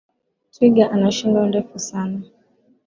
Twiga ana shingo ndefu sana